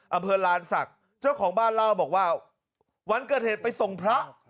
อำเภอลานศักดิ์เจ้าของบ้านเล่าบอกว่าวันเกิดเหตุไปส่งพระ